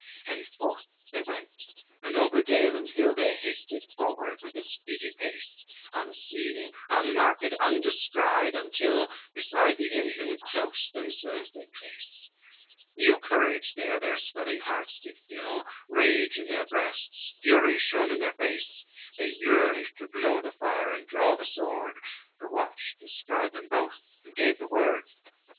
XLIII And forth they went, and over dale and hill They hasted forward with a speedy pace, Unseen, unmarked, undescried, until Beside the engine close themselves they place, New courage there their swelling hearts did fill, Rage in their breasts, fury shown in their face, They yearned to blow the fire, and draw the sword. The watch descried them both, and gave the word.